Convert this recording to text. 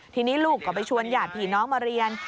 ทีนี้ลูกก็ไปชวนหยาดผีน้องมาเรียน